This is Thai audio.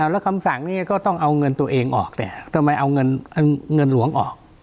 แล้วคำสั่งนี้ก็ต้องเอาเงินตัวเองออกแต่ทำไมเอาเงินหลวงออก